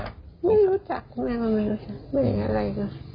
ไม่รู้จักไม่รู้จักไม่เห็นอะไร